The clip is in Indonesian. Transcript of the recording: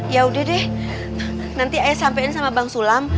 yaudah deh nanti ayah sampein sama bang sulam